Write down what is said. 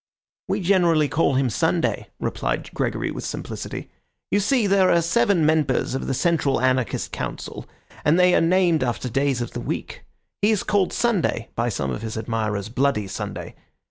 "We generally call him Sunday," replied Gregory with simplicity. "You see, there are seven members of the Central Anarchist Council, and they are named after days of the week. He is called Sunday, by some of his admirers Bloody Sunday.